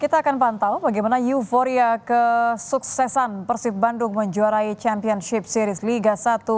kita akan pantau bagaimana euphoria kesuksesan persib bandung menjuarai championship series liga satu dua ribu dua puluh empat